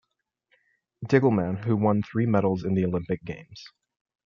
Diggelmann who won three medals in the Olympic Games.